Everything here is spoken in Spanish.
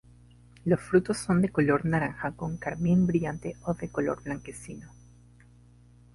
Los frutos son de color naranja con carmín brillante o de color blanquecino.